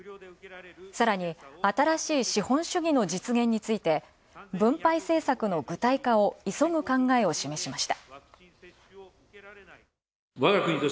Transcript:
さらに、新しい資本主義の実現について、分配政策の具体化を急ぐ考えを示しました。